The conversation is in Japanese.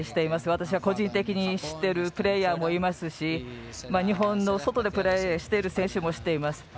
私は個人的に知っているプレーヤーもいますし日本の外でプレーしている選手も知っています。